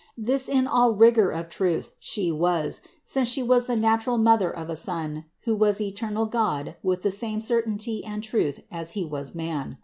This in all rigor of truth She was, since She was the natural Mother of a Son, who was eternal God with the same certainty and truth as He was man.